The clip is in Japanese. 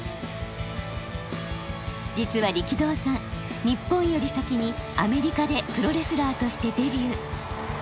実は力道山日本より先にアメリカでプロレスラーとしてデビュー。